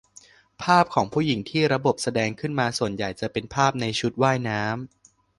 ภาพของผู้หญิงที่ระบบแสดงขึ้นมา ส่วนใหญ่จะเป็นภาพในชุดว่ายน้ำ